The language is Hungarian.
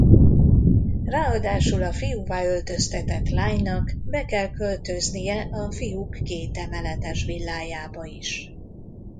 Ráadásul a fiúvá öltöztetett lánynak be kell költöznie a fiúk kétemeletes villájába is.